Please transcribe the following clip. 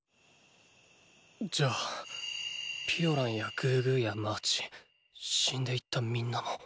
じゃあピオランやグーグーやマーチ死んでいった皆も！